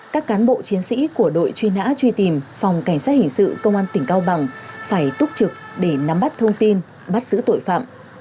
các cán bộ chiến sĩ của đội truy nã truy tìm phòng cảnh sát hình sự công an tỉnh cao bằng phải túc trực để nắm bắt thông tin bắt xử tội phạm